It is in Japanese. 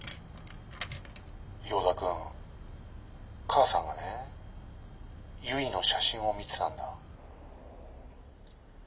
「ヨーダ君母さんがねゆいの写真を見てたんだ」。